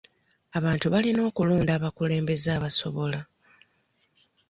Abantu balina okulonda abakulembeze abasobola.